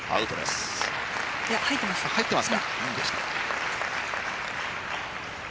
入ってます。